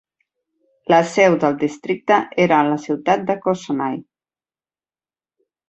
La seu del districte era la ciutat de Cossonay.